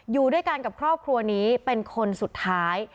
อยู่ด้วยกันกับครอบครัวนี้เป็นคนสุดท้าย